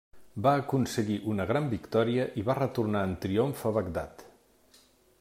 Va aconseguir una gran victòria i va retornar en triomf a Bagdad.